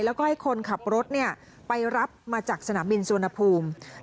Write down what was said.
แล้วก็ให้คนขับรถไปรับมาจากสนามบินสุวรรณภูมิ